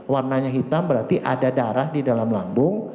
warnanya hitam berarti ada darah di dalam lambung